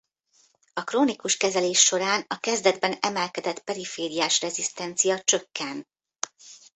A krónikus kezelés során a kezdetben emelkedett perifériás rezisztencia csökken.